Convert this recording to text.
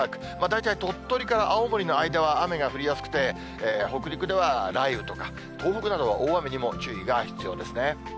大体鳥取から青森の間は雨が降りやすくて、北陸では雷雨とか、東北などは大雨にも注意が必要ですね。